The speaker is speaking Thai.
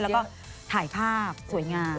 แล้วก็ถ่ายภาพสวยงาม